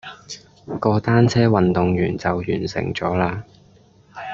個單車運動員就完成咗啦